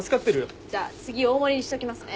じゃあ次大盛りにしときますね。